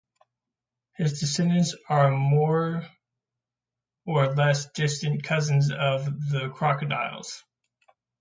His descendants are more or less distant cousins of the crocodiles.